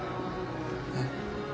えっ？